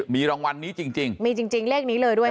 มีรางวัลนี้จริงมีจริงเลขนี้เลยด้วย